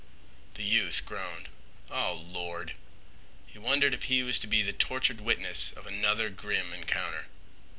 The youth groaned. "Oh Lord!" He wondered if he was to be the tortured witness of another grim encounter.